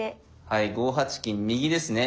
はい５八金右ですね。